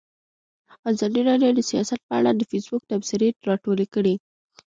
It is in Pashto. ازادي راډیو د سیاست په اړه د فیسبوک تبصرې راټولې کړي.